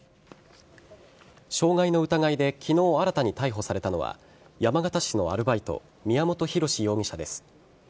傷害の疑いで昨日新たに逮捕されたのは山形市のアルバイト宮本寛容疑者です。